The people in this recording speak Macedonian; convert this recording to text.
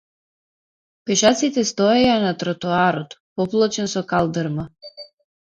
Пешаците стоеја на тротоарот поплочен со калдрма.